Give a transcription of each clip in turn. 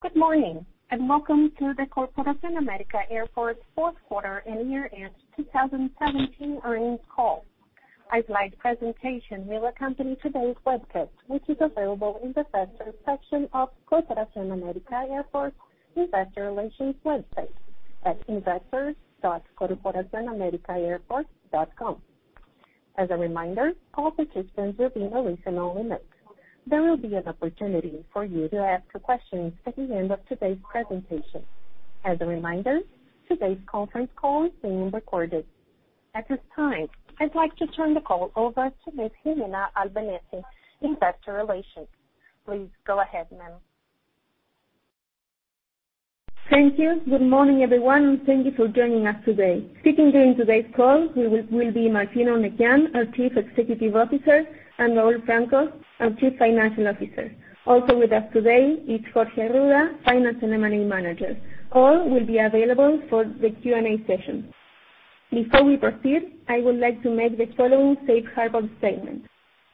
Good morning, and welcome to the Corporación América Airports fourth quarter and year-end 2017 earnings call. A slide presentation will accompany today's webcast, which is available in the Investors section of Corporación América Airports Investor Relations website at investors.corporacionamericaairports.com. As a reminder, all participants are being only remotely miked. There will be an opportunity for you to ask your questions at the end of today's presentation. As a reminder, today's conference call is being recorded. At this time, I'd like to turn the call over to Ms. Gimena Albanesi, investor relations. Please go ahead, ma'am. Thank you. Good morning, everyone, and thank you for joining us today. Speaking during today's call will be Martín Eurnekian, our Chief Executive Officer, and Raúl Franco, our Chief Financial Officer. Also with us today is Jorge Arruda, finance and M&A manager. All will be available for the Q&A session. Before we proceed, I would like to make the following safe harbor statement.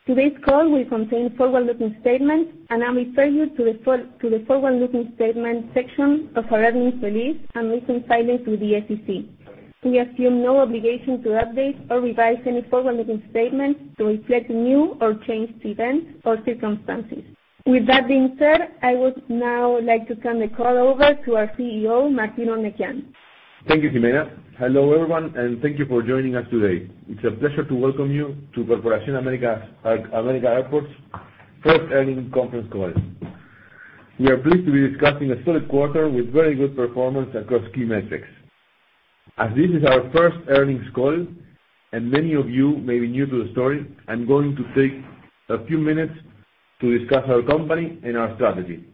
Today's call will contain forward-looking statements. I refer you to the forward-looking statements section of our earnings release and recent filings with the SEC. We assume no obligation to update or revise any forward-looking statements to reflect new or changed events or circumstances. With that being said, I would now like to turn the call over to our CEO, Martín Eurnekian. Thank you, Gimena. Hello, everyone, and thank you for joining us today. It's a pleasure to welcome you to Corporación América Airports' first earnings conference call. We are pleased to be discussing a solid quarter with very good performance across key metrics. As this is our first earnings call, Many of you may be new to the story, I'm going to take a few minutes to discuss our company and our strategy.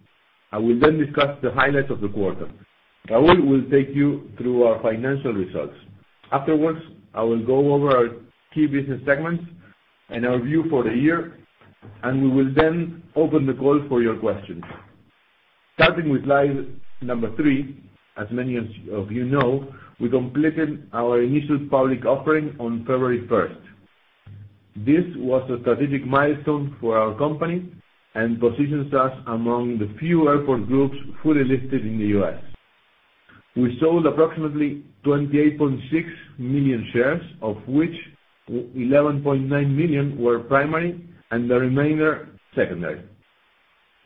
I will discuss the highlights of the quarter. Raúl will take you through our financial results. Afterwards, I will go over our key business segments and our view for the year. We will then open the call for your questions. Starting with slide number three, as many of you know, we completed our initial public offering on February 1st. This was a strategic milestone for our company. Positions us among the few airport groups fully listed in the U.S. We sold approximately 28.6 million shares, of which 11.9 million were primary and the remainder secondary.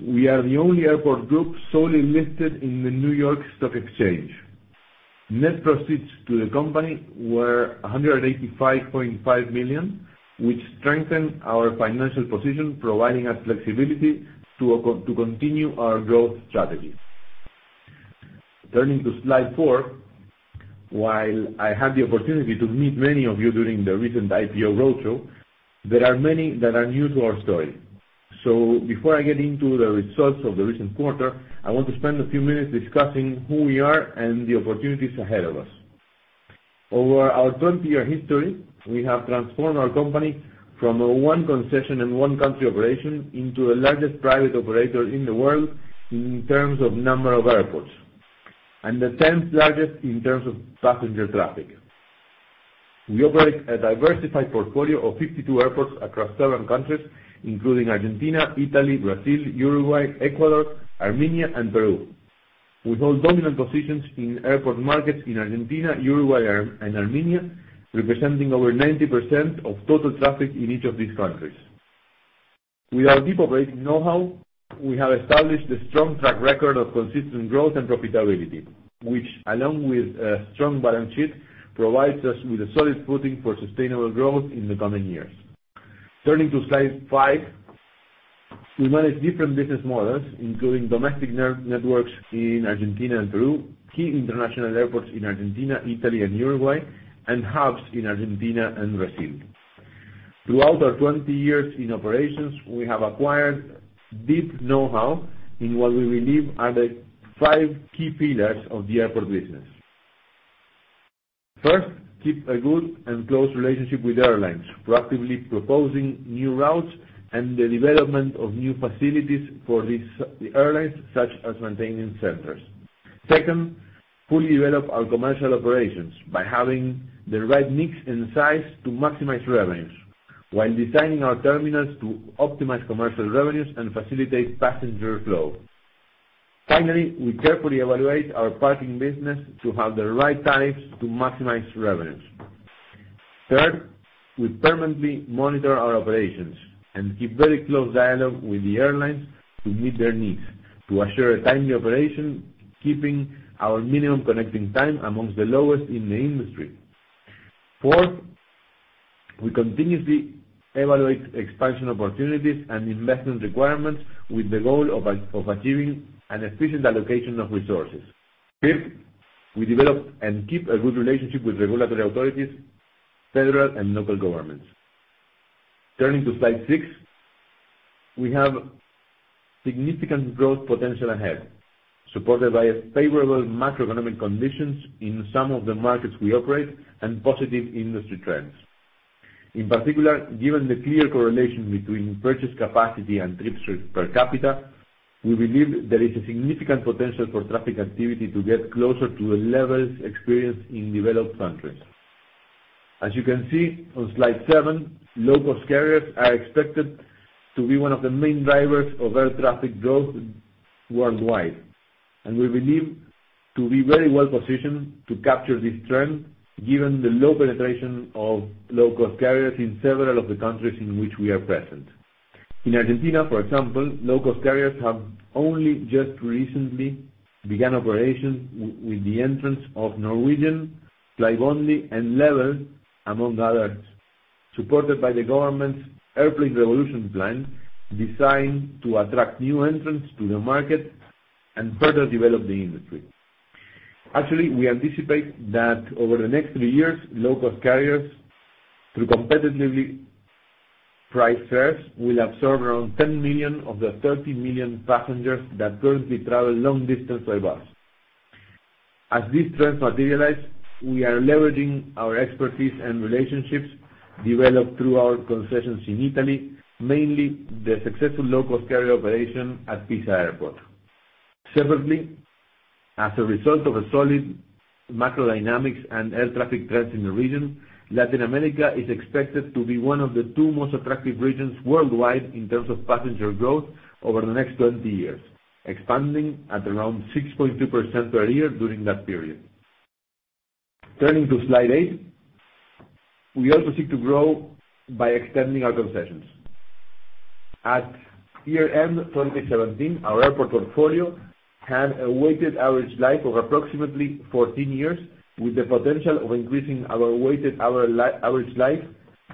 We are the only airport group solely listed in the New York Stock Exchange. Net proceeds to the company were $185.5 million, which strengthened our financial position, providing us flexibility to continue our growth strategy. Turning to slide four, while I had the opportunity to meet many of you during the recent IPO road show, there are many that are new to our story. Before I get into the results of the recent quarter, I want to spend a few minutes discussing who we are and the opportunities ahead of us. Over our 20-year history, we have transformed our company from a one concession and one country operation into the largest private operator in the world in terms of number of airports, and the tenth largest in terms of passenger traffic. We operate a diversified portfolio of 52 airports across seven countries, including Argentina, Italy, Brazil, Uruguay, Ecuador, Armenia, and Peru. We hold dominant positions in airport markets in Argentina, Uruguay, and Armenia, representing over 90% of total traffic in each of these countries. With our deep operating know-how, we have established a strong track record of consistent growth and profitability, which, along with a strong balance sheet, provides us with a solid footing for sustainable growth in the coming years. Turning to slide five, we manage different business models, including domestic networks in Argentina and Peru, key international airports in Argentina, Italy, and Uruguay, and hubs in Argentina and Brazil. Throughout our 20 years in operations, we have acquired deep know-how in what we believe are the five key pillars of the airport business. First, keep a good and close relationship with airlines, proactively proposing new routes and the development of new facilities for these airlines, such as maintaining centers. Second, fully develop our commercial operations by having the right mix and size to maximize revenues, while designing our terminals to optimize commercial revenues and facilitate passenger flow. Finally, we carefully evaluate our parking business to have the right tariffs to maximize revenues. Third, we permanently monitor our operations and keep very close dialogue with the airlines to meet their needs to assure a timely operation, keeping our minimum connecting time amongst the lowest in the industry. Fourth, we continuously evaluate expansion opportunities and investment requirements with the goal of achieving an efficient allocation of resources. Fifth, we develop and keep a good relationship with regulatory authorities, federal, and local governments. Turning to slide six, we have significant growth potential ahead, supported by favorable macroeconomic conditions in some of the markets we operate and positive industry trends. In particular, given the clear correlation between purchase capacity and trips per capita, we believe there is a significant potential for traffic activity to get closer to the levels experienced in developed countries. As you can see on slide seven, low-cost carriers are expected to be one of the main drivers of air traffic growth worldwide, and we believe to be very well positioned to capture this trend given the low penetration of low-cost carriers in several of the countries in which we are present. In Argentina, for example, low-cost carriers have only just recently begun operations with the entrance of Norwegian, Flybondi, and Level, among others, supported by the government's airplane revolution plan, designed to attract new entrants to the market and further develop the industry. Actually, we anticipate that over the next three years, low-cost carriers, through competitively priced fares, will absorb around 10 million of the 30 million passengers that currently travel long distance by bus. As this trend materialize, we are leveraging our expertise and relationships developed through our concessions in Italy, mainly the successful low-cost carrier operation at Pisa Airport. Separately, as a result of a solid macro dynamics and air traffic trends in the region, Latin America is expected to be one of the two most attractive regions worldwide in terms of passenger growth over the next 20 years, expanding at around 6.2% per year during that period. Turning to slide 8, we also seek to grow by extending our concessions. At year-end 2017, our airport portfolio had a weighted average life of approximately 14 years, with the potential of increasing our weighted average life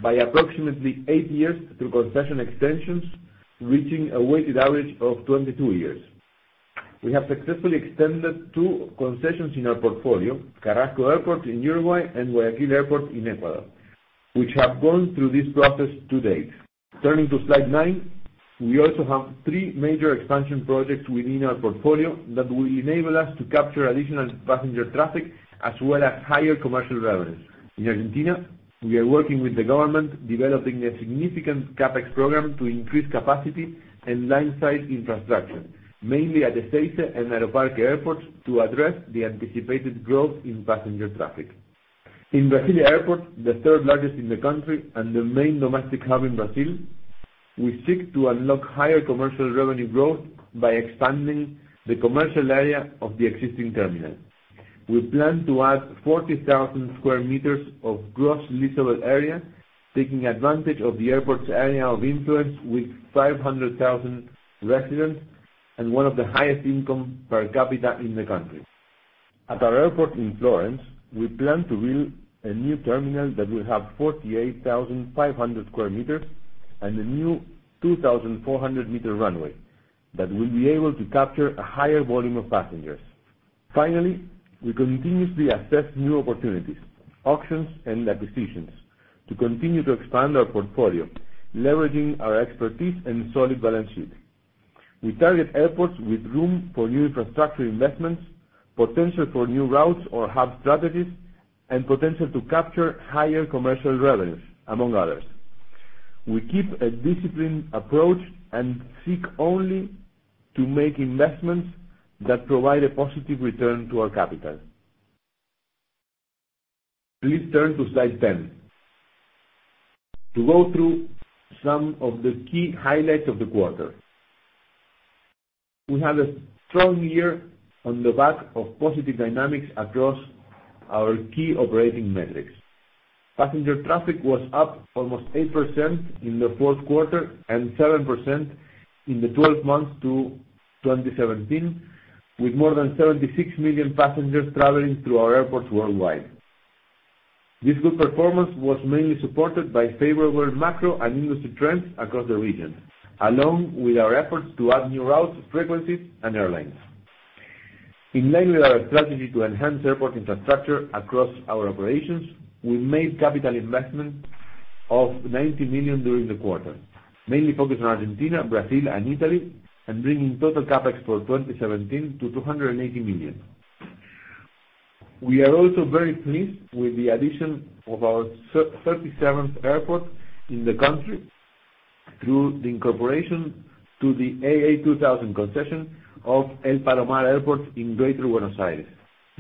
by approximately eight years through concession extensions, reaching a weighted average of 22 years. We have successfully extended two concessions in our portfolio, Carrasco Airport in Uruguay and Guayaquil Airport in Ecuador, which have gone through this process to date. Turning to slide nine, we also have three major expansion projects within our portfolio that will enable us to capture additional passenger traffic as well as higher commercial revenues. In Argentina, we are working with the government, developing a significant CapEx program to increase capacity and landside infrastructure, mainly at Ezeiza and Aeroparque Airports, to address the anticipated growth in passenger traffic. In Brasilia Airport, the third largest in the country and the main domestic hub in Brazil, we seek to unlock higher commercial revenue growth by expanding the commercial area of the existing terminal. We plan to add 40,000 sq m of gross leasable area, taking advantage of the airport's area of influence with 500,000 residents and one of the highest income per capita in the country. At our airport in Florence, we plan to build a new terminal that will have 48,500 sq m and a new 2,400 m runway that will be able to capture a higher volume of passengers. Finally, we continuously assess new opportunities, auctions, and acquisitions to continue to expand our portfolio, leveraging our expertise and solid balance sheet. We target airports with room for new infrastructure investments, potential for new routes or hub strategies, and potential to capture higher commercial revenues, among others. We keep a disciplined approach and seek only to make investments that provide a positive return to our capital. Please turn to slide 10 to go through some of the key highlights of the quarter. We had a strong year on the back of positive dynamics across our key operating metrics. Passenger traffic was up almost 8% in the fourth quarter, and 7% in the 12 months to 2017, with more than 76 million passengers traveling through our airports worldwide. This good performance was mainly supported by favorable macro and industry trends across the region, along with our efforts to add new routes, frequencies, and airlines. In line with our strategy to enhance airport infrastructure across our operations, we made capital investments of $90 million during the quarter, mainly focused on Argentina, Brazil, and Italy, and bringing total CapEx for 2017 to $280 million. We are also very pleased with the addition of our 37th airport in the country through the incorporation to the AA2000 concession of El Palomar Airport in Greater Buenos Aires,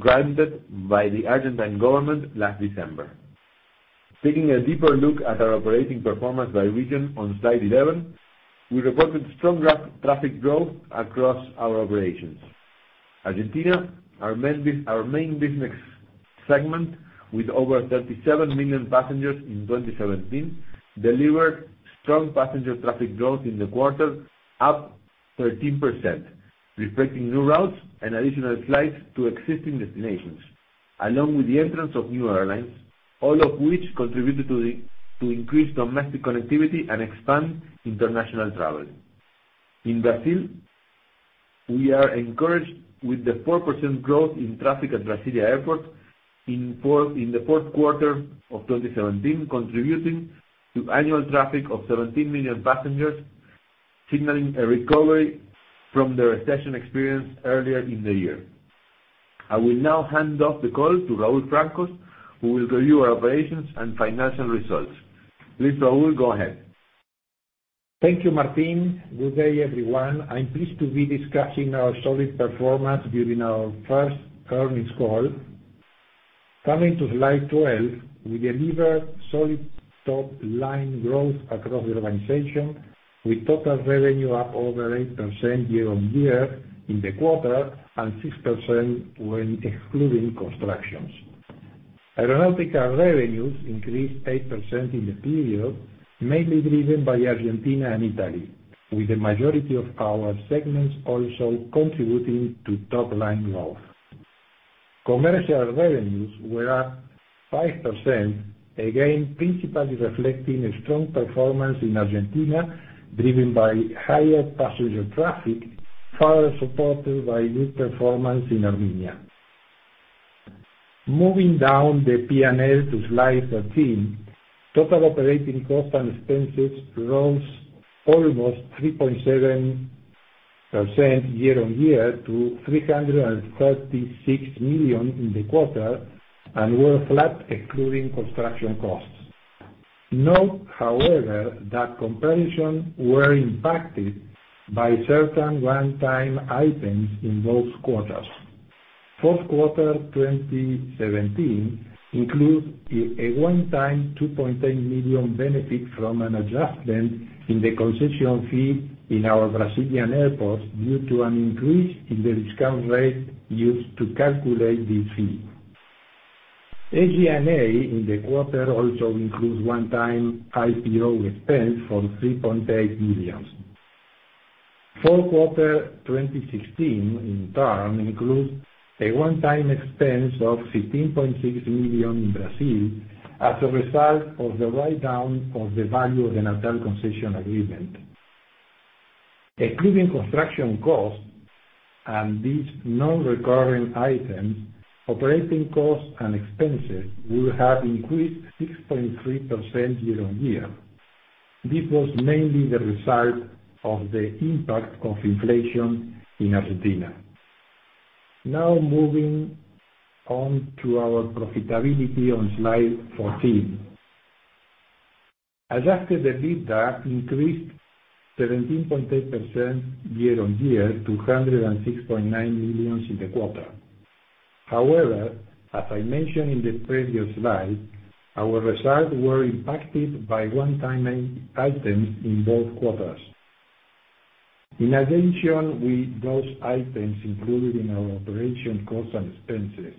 granted by the Argentine government last December. Taking a deeper look at our operating performance by region on Slide 11, we reported strong traffic growth across our operations. Argentina, our main business segment with over 37 million passengers in 2017, delivered strong passenger traffic growth in the quarter, up 13%, reflecting new routes and additional flights to existing destinations, along with the entrance of new airlines, all of which contributed to increased domestic connectivity and expand international travel. In Brazil, we are encouraged with the 4% growth in traffic at Brasilia Airport in the fourth quarter of 2017, contributing to annual traffic of 17 million passengers, signaling a recovery from the recession experienced earlier in the year. I will now hand off the call to Raúl Franco, who will go over our operations and financial results. Please, Raúl, go ahead. Thank you, Martín. Good day, everyone. I'm pleased to be discussing our solid performance during our first earnings call. Coming to slide 12, we delivered solid top-line growth across the organization, with total revenue up over 8% year-on-year in the quarter and 6% when excluding constructions. Aeronautical revenues increased 8% in the period, mainly driven by Argentina and Italy, with the majority of our segments also contributing to top-line growth. Commercial revenues were up 5%, again, principally reflecting a strong performance in Argentina, driven by higher passenger traffic, further supported by good performance in Armenia. Moving down the P&L to slide 13, total operating costs and expenses rose almost 3.7% year-on-year to $336 million in the quarter, and were flat excluding construction costs. Note, however, that comparisons were impacted by certain one-time items in both quarters. Fourth quarter 2017 includes a one-time $2.8 million benefit from an adjustment in the concession fee in our Brazilian airports due to an increase in the discount rate used to calculate this fee. SG&A in the quarter also includes one-time IPO expense from $3.8 million. Fourth quarter 2016, in turn, includes a one-time expense of $15.6 million in Brazil as a result of the write-down of the value of the Natal concession agreement. Excluding construction costs and these non-recurring items, operating costs and expenses would have increased 6.3% year-on-year. This was mainly the result of the impact of inflation in Argentina. Now moving on to our profitability on slide 14. Adjusted EBITDA increased 17.8% year-on-year to $106.9 million in the quarter. However, as I mentioned in the previous slide, our results were impacted by one-time items in both quarters. In addition, with those items included in our operation costs and expenses,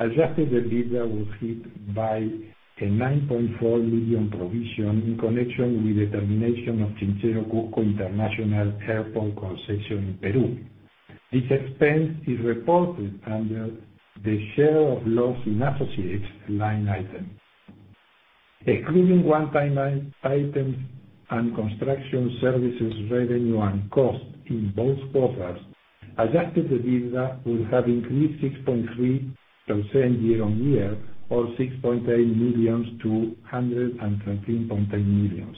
adjusted EBITDA was hit by a $9.4 million provision in connection with the termination of Chinchero Cusco International Airport concession in Peru. This expense is reported under the share of loss in associates line item. Excluding one-time items and construction services revenue and cost in both quarters, adjusted EBITDA would have increased 6.3% year-on-year or $6.8 million to $113.8 million.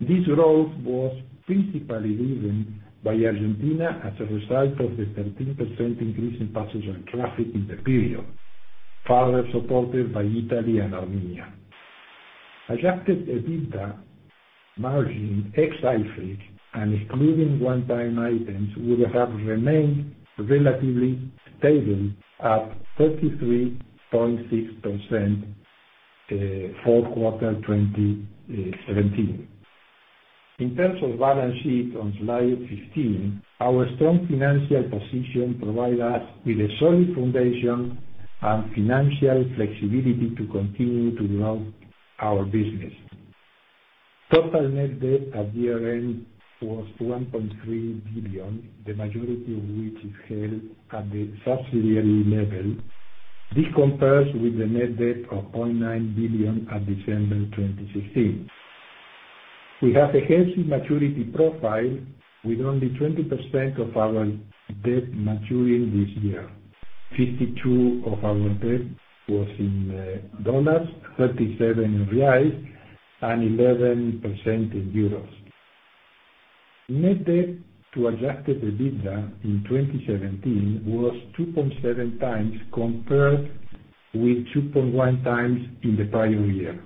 This growth was principally driven by Argentina as a result of the 13% increase in passenger traffic in the period, further supported by Italy and Armenia. Adjusted EBITDA margin, ex IFRIC, and excluding one-time items, would have remained relatively stable at 33.6% fourth quarter 2017. In terms of balance sheet on slide 15, our strong financial position provide us with a solid foundation and financial flexibility to continue to grow our business. Total net debt at year-end was $1.3 billion, the majority of which is held at the subsidiary level. This compares with the net debt of $0.9 billion at December 2016. We have a healthy maturity profile, with only 20% of our debt maturing this year, 52% of our debt was in U.S. dollars, 37% in reais, and 11% in euros. Net debt to adjusted EBITDA in 2017 was 2.7 times, compared with 2.1 times in the prior year.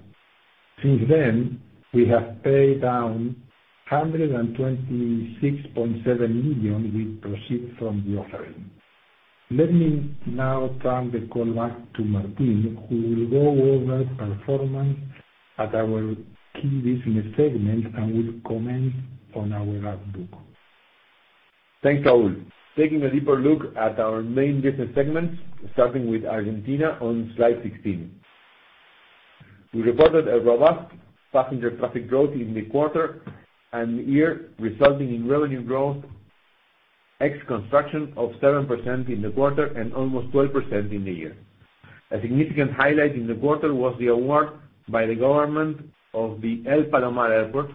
Since then, we have paid down $126.7 million with proceeds from the offering. Let me now turn the call back to Martín, who will go over performance at our key business segments and will comment on our outlook. Thanks, Raúl. Taking a deeper look at our main business segments, starting with Argentina on slide 16. We reported a robust passenger traffic growth in the quarter and year, resulting in revenue growth ex-construction of 7% in the quarter and almost 12% in the year. A significant highlight in the quarter was the award by the government of the El Palomar Airport,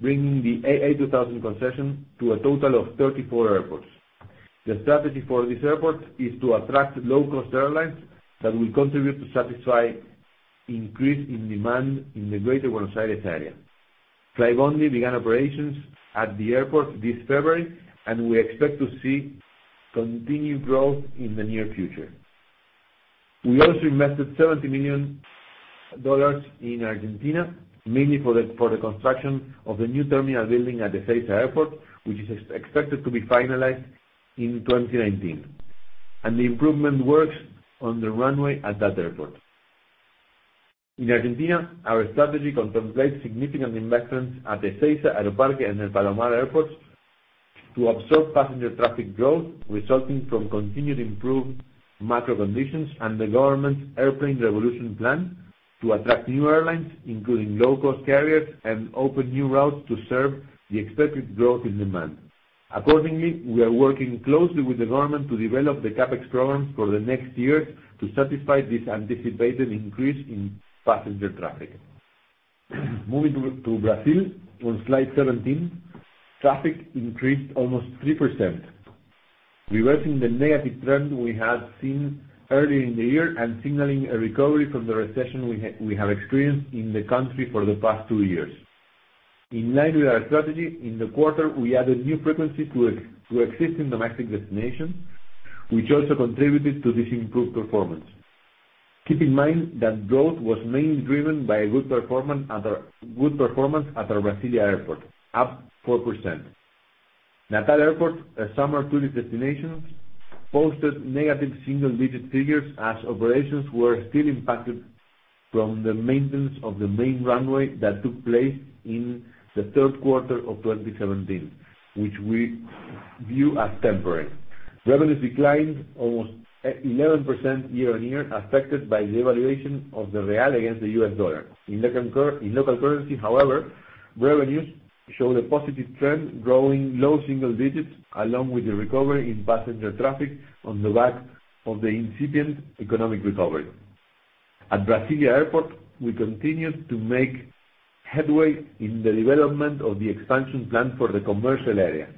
bringing the AA2000 concession to a total of 34 airports. The strategy for this airport is to attract low-cost airlines that will contribute to satisfy increase in demand in the greater Buenos Aires area. Flybondi began operations at the airport this February, and we expect to see continued growth in the near future. We also invested $70 million in Argentina, mainly for the construction of the new terminal building at Ezeiza Airport, which is expected to be finalized in 2019, and the improvement works on the runway at that airport. In Argentina, our strategy contemplates significant investments at Ezeiza, Aeroparque, and El Palomar airports to absorb passenger traffic growth resulting from continued improved macro conditions and the government's airplane revolution plan to attract new airlines, including low-cost carriers, and open new routes to serve the expected growth in demand. Accordingly, we are working closely with the government to develop the CapEx programs for the next years to satisfy this anticipated increase in passenger traffic. Moving to Brazil on slide 17. Traffic increased almost 3%, reversing the negative trend we had seen earlier in the year and signaling a recovery from the recession we have experienced in the country for the past two years. In line with our strategy, in the quarter, we added new frequency to existing domestic destinations, which also contributed to this improved performance. Keep in mind that growth was mainly driven by a good performance at our Brasilia airport, up 4%. Natal Airport, a summer tourist destination, posted negative single-digit figures as operations were still impacted from the maintenance of the main runway that took place in the third quarter of 2017, which we view as temporary. Revenues declined almost 11% year-on-year, affected by the evaluation of the real against the U.S. dollar. In local currency, however, revenues showed a positive trend, growing low single digits along with the recovery in passenger traffic on the back of the incipient economic recovery. At Brasilia Airport, we continued to make headway in the development of the expansion plan for the commercial area.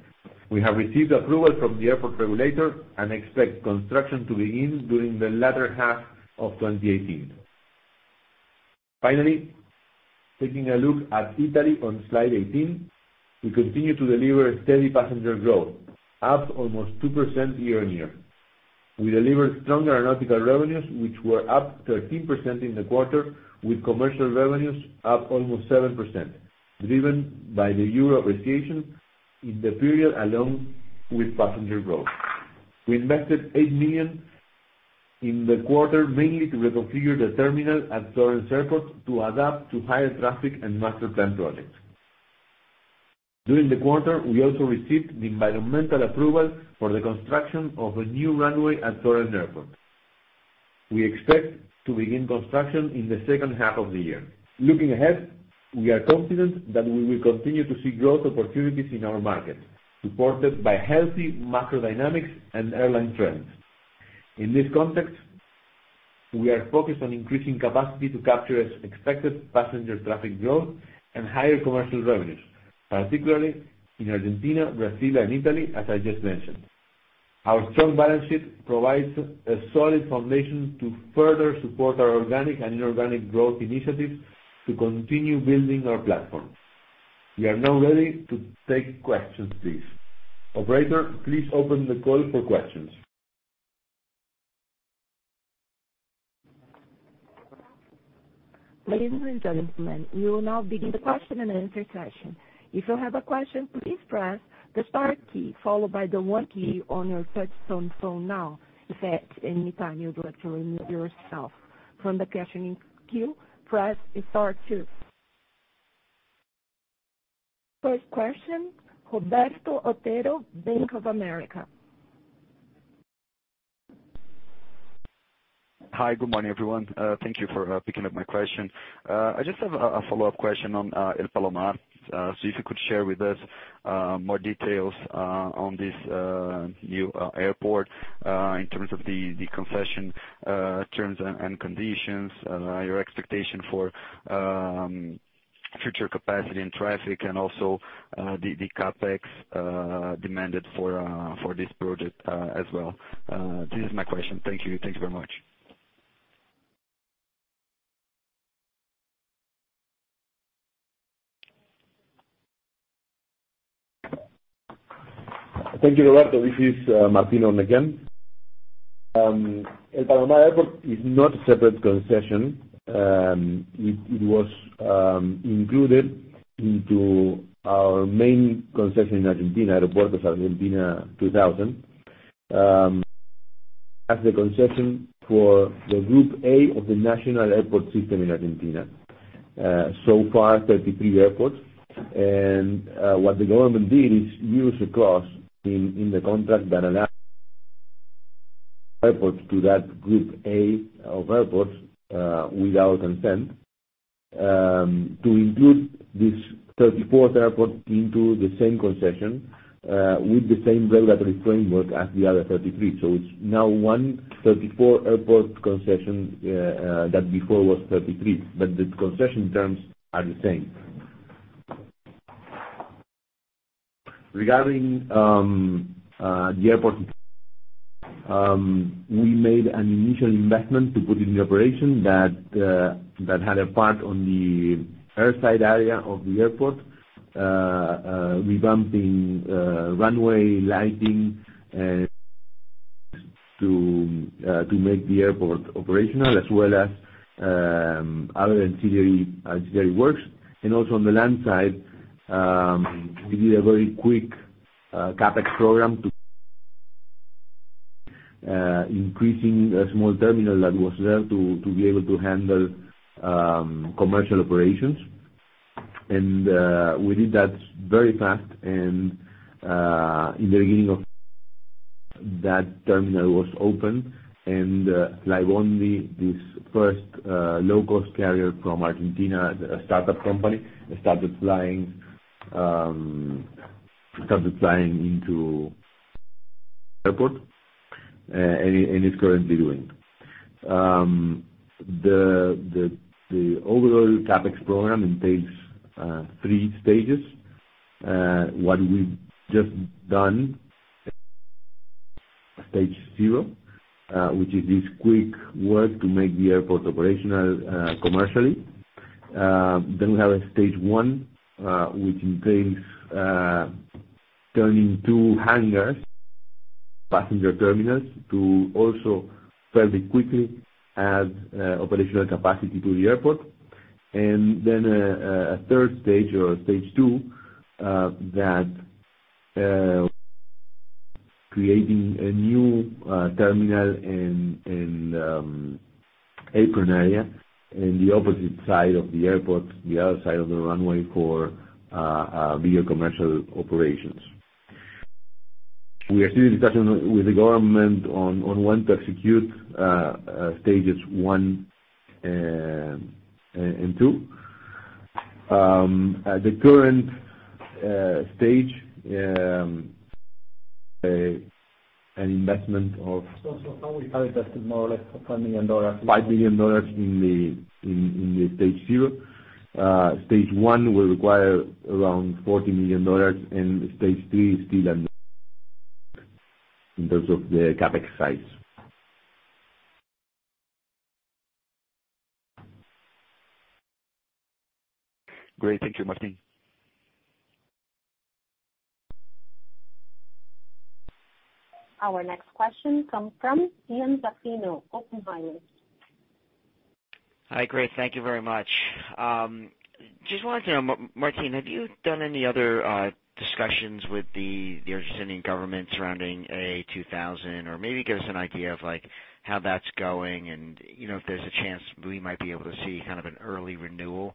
We have received approval from the airport regulator and expect construction to begin during the latter half of 2018. Finally, taking a look at Italy on slide 18. We continue to deliver steady passenger growth, up almost 2% year-over-year. We delivered stronger aeronautical revenues, which were up 13% in the quarter, with commercial revenues up almost 7%, driven by the euro appreciation in the period along with passenger growth. We invested $8 million in the quarter, mainly to reconfigure the terminal at Florence Airport to adapt to higher traffic and master plan projects. During the quarter, we also received the environmental approval for the construction of a new runway at Florence Airport. We expect to begin construction in the second half of the year. Looking ahead, we are confident that we will continue to see growth opportunities in our market, supported by healthy macro dynamics and airline trends. In this context, we are focused on increasing capacity to capture expected passenger traffic growth and higher commercial revenues, particularly in Argentina, Brazil, and Italy, as I just mentioned. Our strong balance sheet provides a solid foundation to further support our organic and inorganic growth initiatives to continue building our platform. We are now ready to take questions, please. Operator, please open the call for questions. Ladies and gentlemen, we will now begin the question and answer session. If you have a question, please press the star key, followed by the one key on your touchtone phone now. If at any time you'd like to remove yourself from the questioning queue, press star two. First question, Roberto Otero, Bank of America. Hi. Good morning, everyone. Thank you for picking up my question. I just have a follow-up question on El Palomar. If you could share with us more details on this new airport, in terms of the concession terms and conditions, your expectation for future capacity and traffic, and also, the CapEx demanded for this project as well. This is my question. Thank you. Thank you very much. Thank you, Roberto. This is Martín again. El Palomar Airport is not a separate concession. It was included into our main concession in Argentina, Aeropuertos Argentina 2000, as the concession for the Group A of the national airport system in Argentina. So far, 33 airports. What the government did is use a clause in the contract that allows airports to that Group A of airports, without consent, to include this 34th airport into the same concession, with the same regulatory framework as the other 33. It is now one 34 airport concession, that before was 33. The concession terms are the same. Regarding the airport, we made an initial investment to put it in operation that had a part on the airside area of the airport, revamping runway lighting and To make the airport operational, as well as other ancillary works. Also on the land side, we did a very quick CapEx program to increasing a small terminal that was there to be able to handle commercial operations. We did that very fast and in the beginning of that terminal was open and live only this first low-cost carrier from Argentina, a startup company, started flying into airport, and is currently doing. The overall CapEx program entails three stages. What we have just done, stage 0, which is this quick work to make the airport operational commercially. We have a stage 1, which entails turning two hangars, passenger terminals to also fairly quickly add operational capacity to the airport. Then a third stage or stage 2 that creating a new terminal in apron area in the opposite side of the airport, the other side of the runway for via commercial operations. We are still in discussion with the government on when to execute stages 1 and 2. At the current stage, an investment of- How we have invested more or less $10 million- $5 million in the stage 0. Stage 1 will require around $40 million. Stage 3 is still unknown in terms of the CapEx size. Great. Thank you, Martín. Our next question comes from Ian Zaffino, Oppenheimer. Hi. Great. Thank you very much. Just wanted to know, Martín, have you done any other discussions with the Argentinian government surrounding AA2000? Maybe give us an idea of how that's going and if there's a chance we might be able to see an early renewal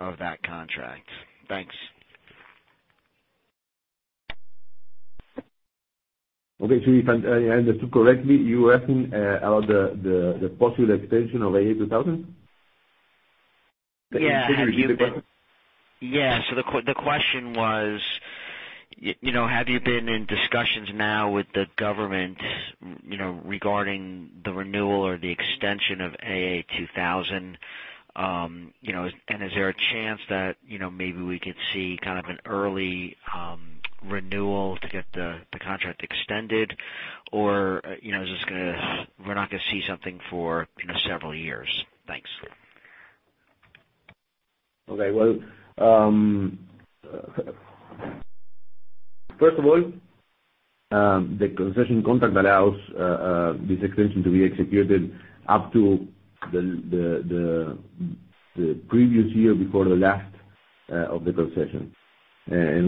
of that contract. Thanks. Okay, if I understood correctly, you asking about the possible extension of AA2000? Yeah. The question was, have you been in discussions now with the government regarding the renewal or the extension of AA2000? Is there a chance that maybe we could see an early renewal to get the contract extended or is this we're not gonna see something for several years. Thanks. Okay. Well, first of all the concession contract allows this extension to be executed up to the previous year before the last of the concession.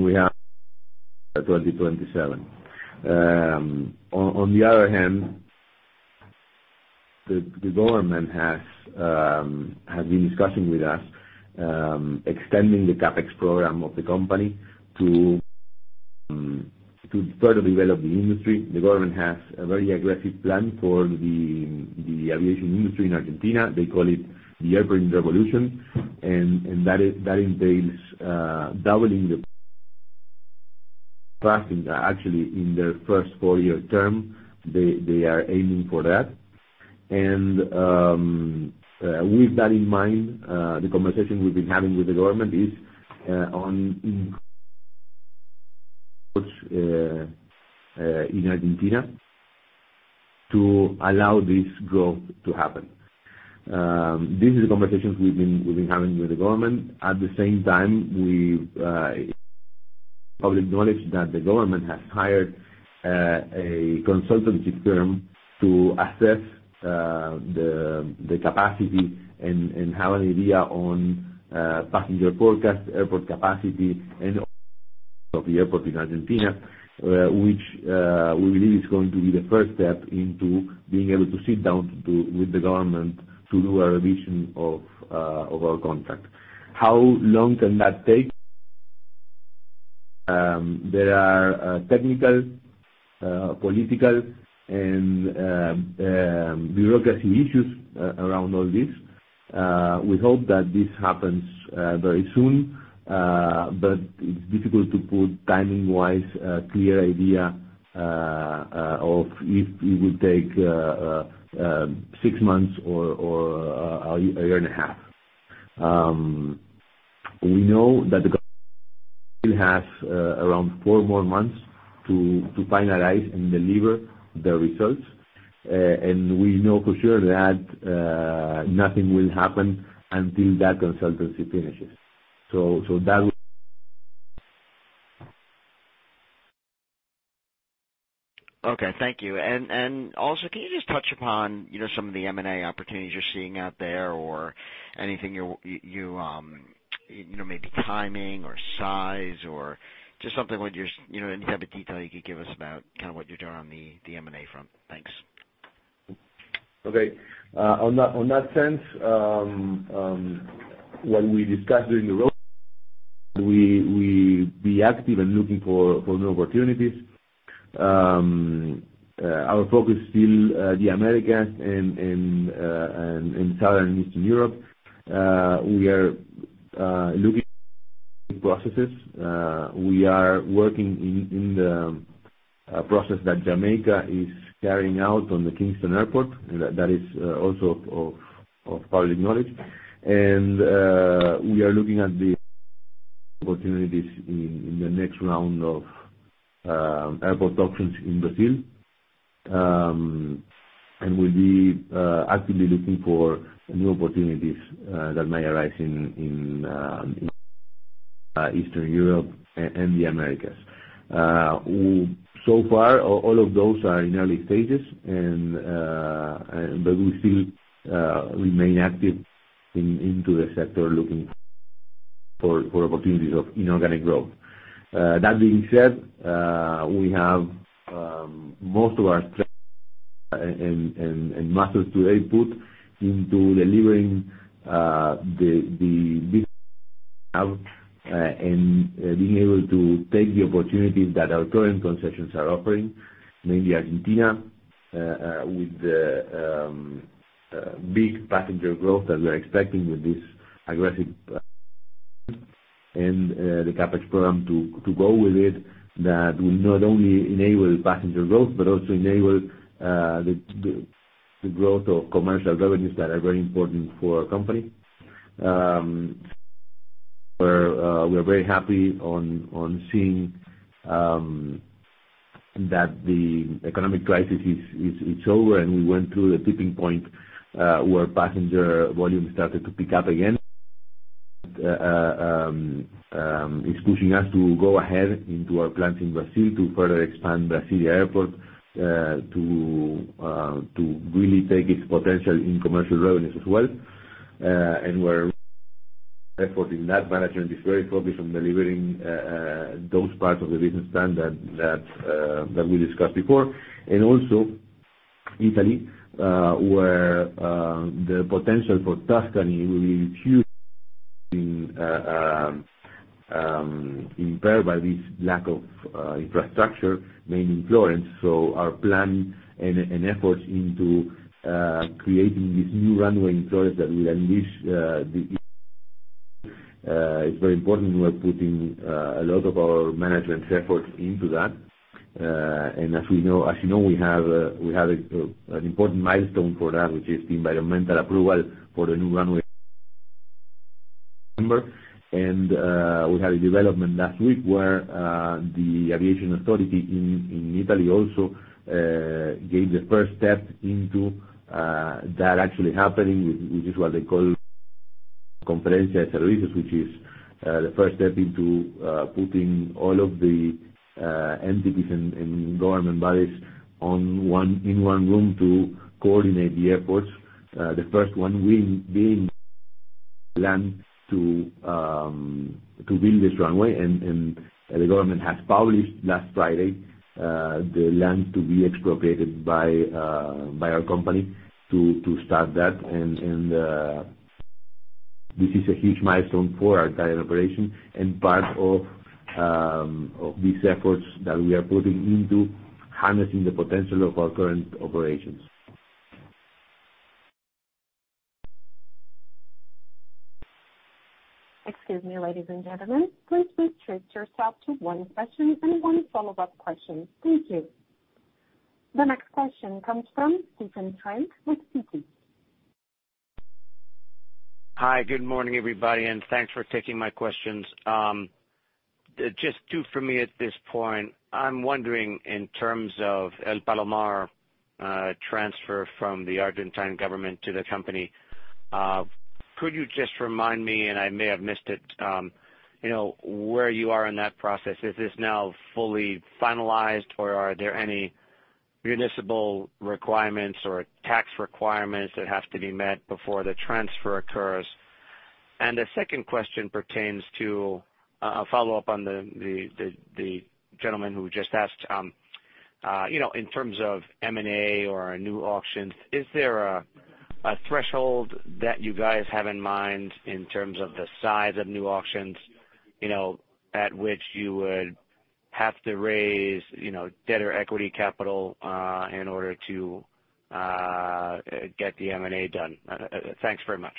We have 2027. On the other hand, the government has been discussing with us extending the CapEx program of the company to further develop the industry. The government has a very aggressive plan for the aviation industry in Argentina. They call it the airplane revolution. That entails doubling the passengers actually in their first four-year term. They are aiming for that. With that in mind the conversation we've been having with the government is on airports in Argentina to allow this growth to happen. These are the conversations we've been having with the government. At the same time, we've public knowledge that the government has hired a consultancy firm to assess the capacity and have an idea on passenger forecast, airport capacity, and of the airport in Argentina which we believe is going to be the first step into being able to sit down with the government to do a revision of our contract. How long can that take? There are technical, political, and bureaucracy issues around all this. We hope that this happens very soon. It's difficult to put timing-wise a clear idea of if it will take six months or a year and a half. We know that the government still has around four more months to finalize and deliver the results. We know for sure that nothing will happen until that consultancy finishes. Okay. Thank you. Also, can you just touch upon some of the M&A opportunities you're seeing out there or anything, maybe timing or size, or just any type of detail you could give us about what you're doing on the M&A front. Thanks. Okay. On that sense, what we discussed during the road show, we be active and looking for new opportunities. Our focus still the Americas and Southeastern Europe. We are looking at processes. We are working in the process that Jamaica is carrying out on the Kingston airport, that is also of public knowledge. We are looking at the opportunities in the next round of airport auctions in Brazil. We'll be actively looking for new opportunities that may arise in Eastern Europe and the Americas. Far, all of those are in early stages, but we still remain active into the sector, looking for opportunities of inorganic growth. That being said, we have most of our strength and muscles today put into delivering the business we have and being able to take the opportunities that our current concessions are offering. Mainly Argentina, with the big passenger growth that we are expecting with this aggressive plan and the CapEx program to go with it, that will not only enable passenger growth but also enable the growth of commercial revenues that are very important for our company. We are very happy on seeing that the economic crisis is over, we went through the tipping point, where passenger volume started to pick up again. It's pushing us to go ahead into our plans in Brazil to further expand Brasilia airport, to really take its potential in commercial revenues as well. Our effort in that management is very focused on delivering those parts of the business plan that we discussed before. Also Italy, where the potential for Tuscany will be huge, impaired by this lack of infrastructure, mainly Florence. Our plan and efforts into creating this new runway in Florence that will. It's very important. We are putting a lot of our management effort into that. As you know, we have an important milestone for that, which is the environmental approval for the new runway. We had a development last week where the aviation authority in Italy also gave the first step into that actually happening, which is what they call Conferenza dei Servizi, which is the first step into putting all of the entities and government bodies in one room to coordinate the efforts. The first one being land to build this runway. The government has published last Friday, the land to be expropriated by our company to start that. This is a huge milestone for our entire operation and part of these efforts that we are putting into harnessing the potential of our current operations. Excuse me, ladies and gentlemen. Please restrict yourself to one question and one follow-up question. Thank you. The next question comes from Stephen Trent with Citi. Hi, good morning, everybody, and thanks for taking my questions. Just two for me at this point. I'm wondering in terms of El Palomar transfer from the Argentine government to the company, could you just remind me, and I may have missed it, where you are in that process? Is this now fully finalized or are there any municipal requirements or tax requirements that have to be met before the transfer occurs? The second question pertains to a follow-up on the gentleman who just asked. In terms of M&A or new auctions, is there a threshold that you guys have in mind in terms of the size of new auctions, at which you would have to raise debt or equity capital in order to get the M&A done? Thanks very much.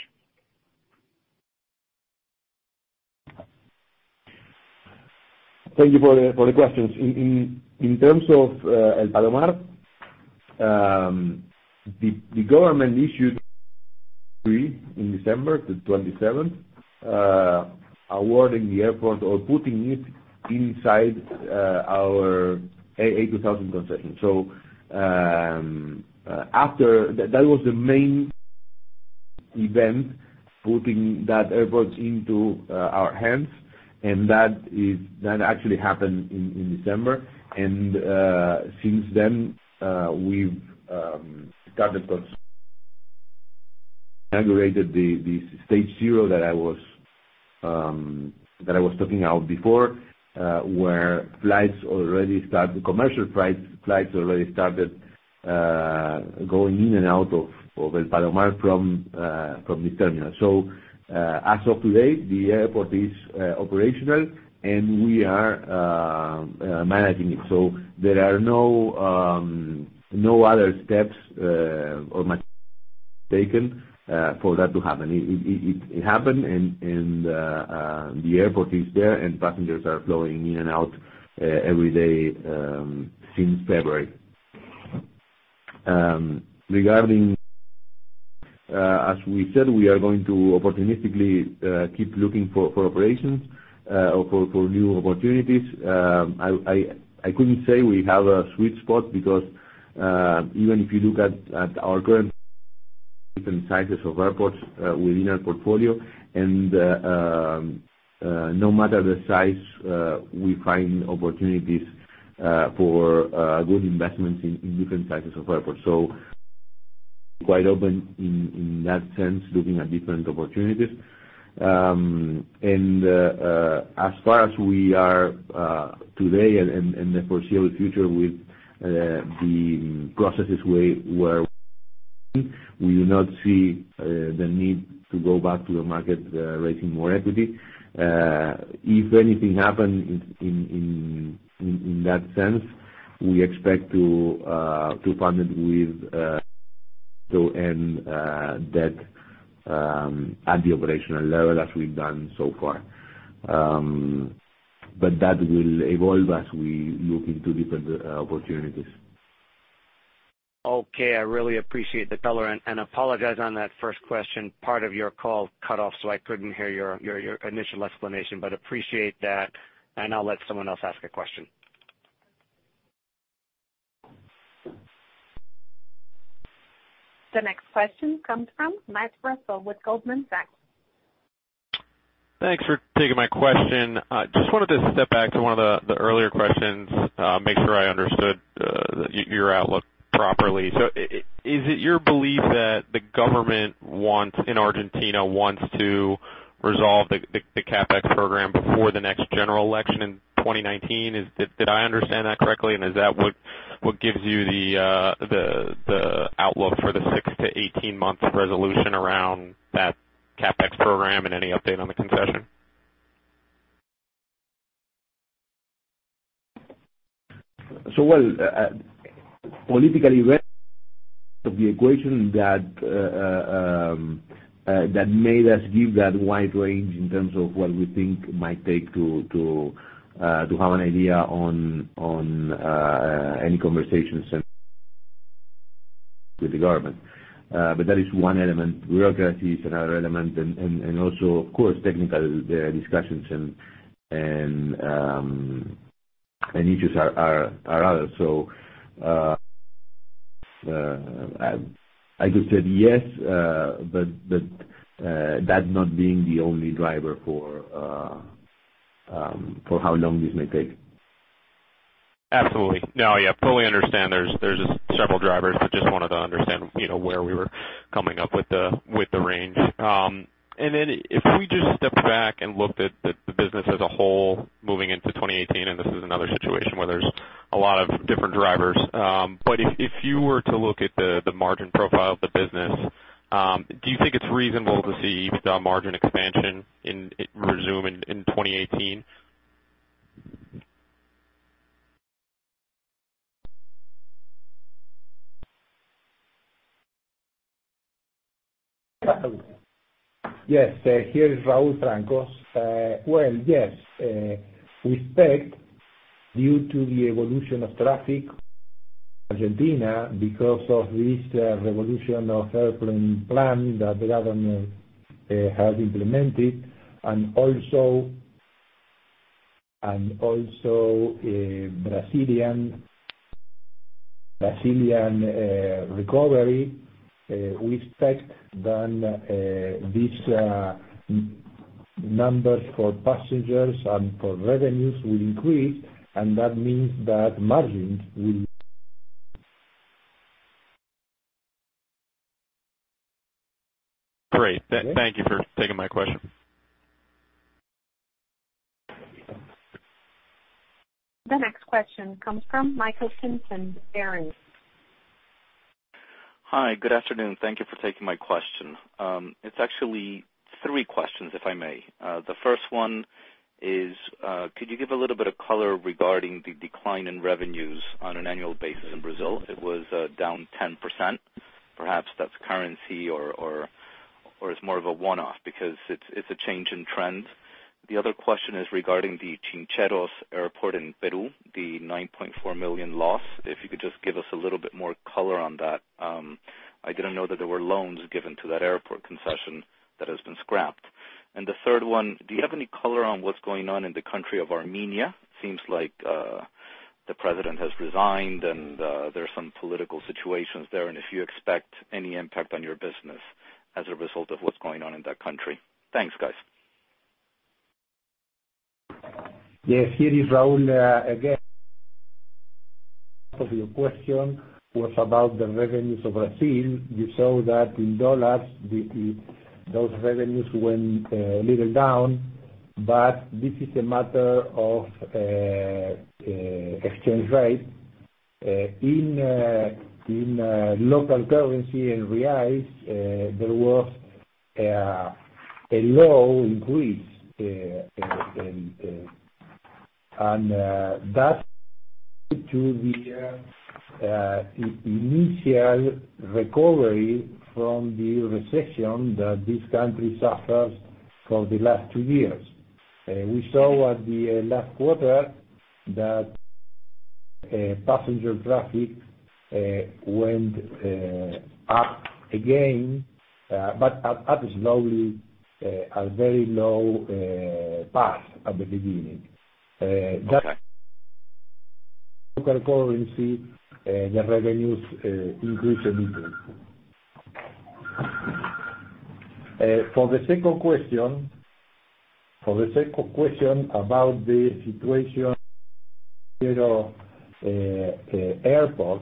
Thank you for the questions. In terms of El Palomar, the government issued decree in December 27th, awarding the airport or putting it inside our AA2000 concession. That was the main event putting that airport into our hands, and that actually happened in December. Since then, we've started aggregated the stage 0 that I was talking about before, where commercial flights already started going in and out of El Palomar from the terminal. As of today, the airport is operational, and we are managing it. There are no other steps or measures taken for that to happen. It happened, and the airport is there, and passengers are flowing in and out every day since February. Regarding, as we said, we are going to opportunistically keep looking for operations or for new opportunities. I couldn't say we have a sweet spot because even if you look at our current different sizes of airports within our portfolio, no matter the size, we find opportunities for good investments in different sizes of airports. Quite open in that sense, looking at different opportunities. As far as we are today and the foreseeable future with the processes where we do not see the need to go back to the market raising more equity. If anything happens in that sense, we expect to fund it with debt at the operational level as we've done so far. That will evolve as we look into different opportunities. Okay. I really appreciate the color, apologize on that first question. Part of your call cut off, so I couldn't hear your initial explanation, but appreciate that. I'll let someone else ask a question. The next question comes from Matthew Russell with Goldman Sachs. Thanks for taking my question. Just wanted to step back to one of the earlier questions, make sure I understood your outlook properly. Is it your belief that the government in Argentina wants to resolve the CapEx program before the next general election in 2019? Did I understand that correctly? Is that what gives you the outlook for the six to 18 months resolution around that CapEx program, and any update on the concession? Politically, the equation that made us give that wide range in terms of what we think might take to have an idea on any conversations and with the government. That is one element. Bureaucracy is another element, and also, of course, technical discussions and issues are others. I just said yes, but that not being the only driver for how long this may take. Absolutely. Fully understand there's several drivers, but just wanted to understand where we were coming up with the range. If we just stepped back and looked at the business as a whole moving into 2018, and this is another situation where there's a lot of different drivers. If you were to look at the margin profile of the business, do you think it's reasonable to see margin expansion resume in 2018? Yes. Here is Raúl Franco. Yes, we expect due to the evolution of traffic in Argentina because of this airplane revolution plan that the government has implemented and also Brazilian recovery, we expect that these numbers for passengers and for revenues will increase, and that means that margins will increase. Great. Thank you for taking my question. The next question comes from Michael Gerding, Barings. Hi, good afternoon. Thank you for taking my question. It is actually three questions, if I may. The first one is, could you give a little bit of color regarding the decline in revenues on an annual basis in Brazil? It was down 10%. Perhaps that is currency or it is more of a one-off because it is a change in trend. The other question is regarding the Chinchero Airport in Peru, the $9.4 million loss. If you could just give us a little bit more color on that. I did not know that there were loans given to that airport concession that has been scrapped. The third one, do you have any color on what is going on in the country of Armenia? Seems like the president has resigned and there is some political situations there, and if you expect any impact on your business as a result of what is going on in that country. Thanks, guys. Yes, here is Raúl again. First of your question was about the revenues of Brazil. You saw that in dollars, those revenues went a little down, but this is a matter of exchange rate. In local currency, in reais, there was a low increase. That to the initial recovery from the recession that this country suffers for the last two years. We saw at the last quarter that passenger traffic went up again, but up slowly, a very low path at the beginning. That local currency, the revenues increased a little. For the second question about the situation airport,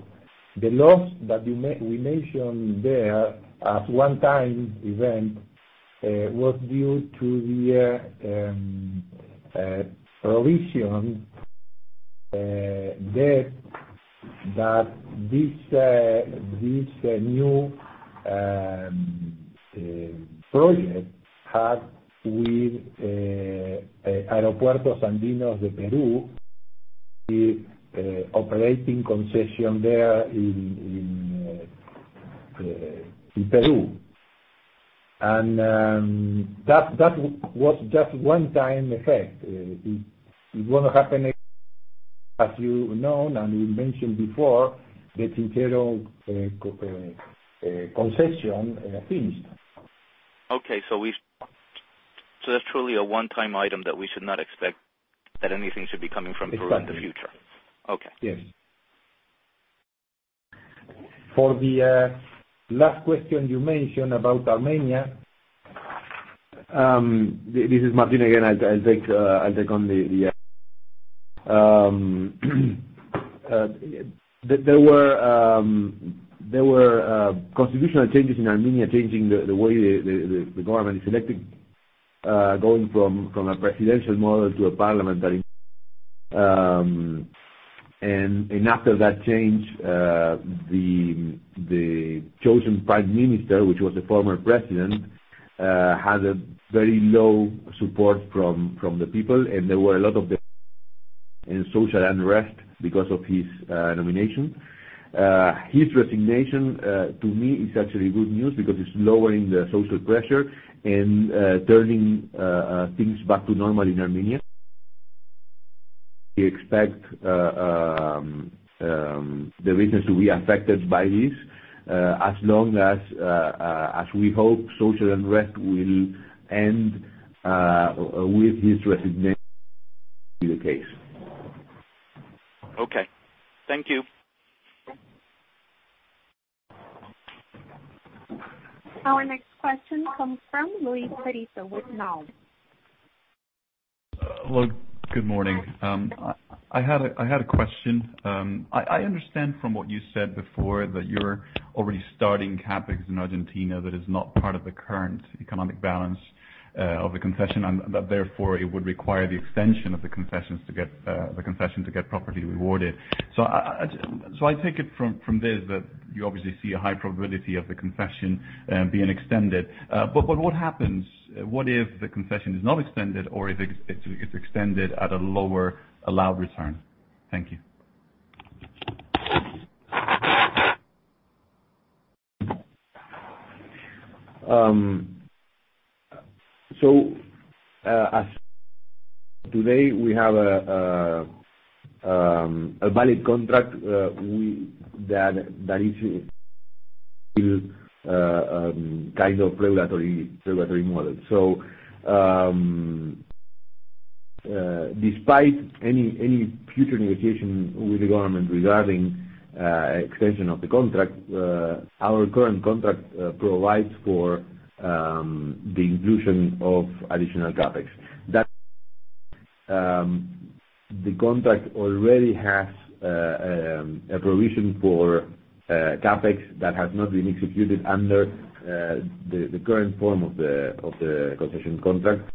the loss that we mentioned there as one time event, was due to the provision debt that this new project had with Aeropuertos Andinos del Perú, the operating concession there in Peru. That was just one time effect. It will not happen again. As you know, we mentioned before, the Chinchero concession finished. Okay. That's truly a one-time item that we should not expect that anything should be coming from Peru in the future. Exactly. Okay. Yes. For the last question you mentioned about Armenia. This is Martín again. There were constitutional changes in Armenia changing the way the government is elected, going from a presidential model to a parliament. After that change, the chosen Prime Minister, which was the former president, had a very low support from the people. There were a lot of social unrest because of his nomination. His resignation, to me, is actually good news because it's lowering the social pressure and turning things back to normal in Armenia. We expect the business to be affected by this, as long as we hope social unrest will end with his resignation. Be the case. Okay. Thank you. Our next question comes from Eugenio Perissé with KNAW. Hello, good morning. I had a question. I understand from what you said before that you're already starting CapEx in Argentina that is not part of the current economic balance of the concession, and that therefore it would require the extension of the concession to get properly rewarded. I take it from this that you obviously see a high probability of the concession being extended. What if the concession is not extended or if it's extended at a lower allowed return? Thank you. As of today, we have a valid contract that is still kind of regulatory model. Despite any future negotiation with the government regarding extension of the contract, our current contract provides for the inclusion of additional CapEx. The contract already has a provision for CapEx that has not been executed under the current form of the concession contract.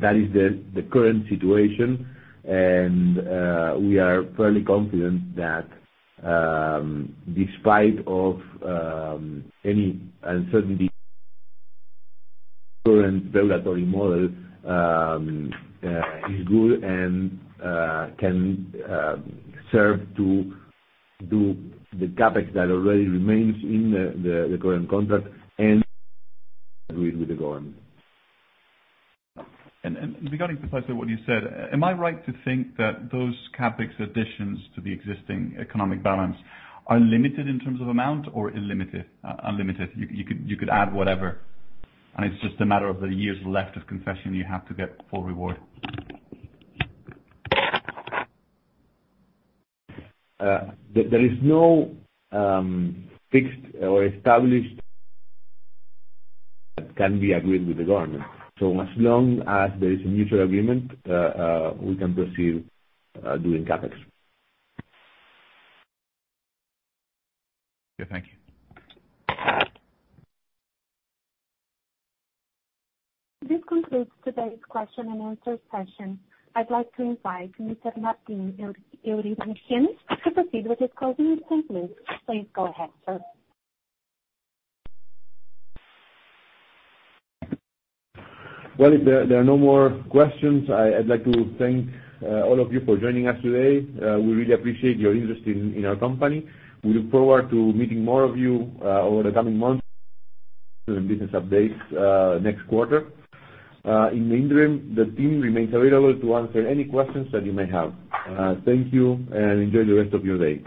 That is the current situation, we are fairly confident that despite of any uncertainty, current regulatory model is good and can serve to do the CapEx that already remains in the current contract and agree it with the government. Regarding precisely what you said, am I right to think that those CapEx additions to the existing economic balance are limited in terms of amount or unlimited? You could add whatever, and it is just a matter of the years left of concession you have to get full reward. There is no fixed or established that can be agreed with the government. As long as there is a mutual agreement, we can proceed doing CapEx. Yeah. Thank you. This concludes today's question and answer session. I would like to invite Mr. Martín Eurnekian to proceed with his closing comments. Please go ahead, sir. Well, if there are no more questions, I'd like to thank all of you for joining us today. We really appreciate your interest in our company. We look forward to meeting more of you over the coming months during business updates next quarter. In the interim, the team remains available to answer any questions that you may have. Thank you, and enjoy the rest of your day.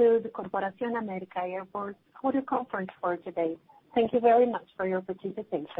That concludes the Corporación América Airports quarter conference for today. Thank you very much for your participation.